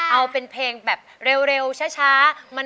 เอาเป็นเพลงแบบเร็วช้า